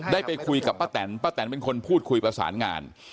ได้ไปคุยกับป้าแตนป้าแตนเป็นคนพูดคุยประสานงาน